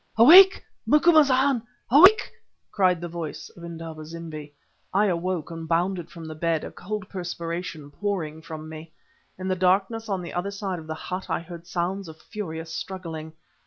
"Awake, Macumazahn! awake!" cried the voice of Indaba zimbi. I awoke and bounded from the bed, a cold perspiration pouring from me. In the darkness on the other side of the hut I heard sounds of furious struggling.